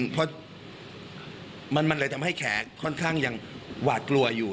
เพราะมันเลยทำให้แขกค่อนข้างยังหวาดกลัวอยู่